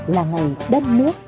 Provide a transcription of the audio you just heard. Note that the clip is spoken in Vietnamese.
là ngày đất nước